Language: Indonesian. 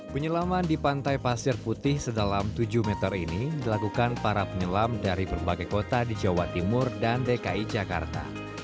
penyelaman di pantai pasir putih sedalam tujuh meter ini dilakukan para penyelam dari berbagai kota di jawa timur dan dki jakarta